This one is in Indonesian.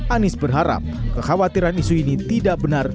anies berharap kekhawatiran isu ini tidak benar